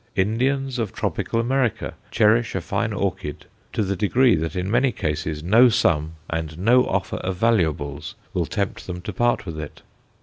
Indians of Tropical America cherish a fine orchid to the degree that in many cases no sum, and no offer of valuables, will tempt them to part with it.